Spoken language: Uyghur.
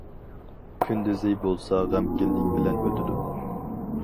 كۈندۈزى بولسا غەمكىنلىك بىلەن ئۆتىدۇ.